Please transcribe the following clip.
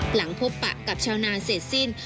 หลังพบปะกับชาวนาเสร็จสิ้น